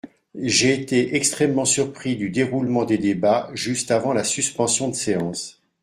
J’ai été extrêmement surpris du déroulement des débats juste avant la suspension de séance.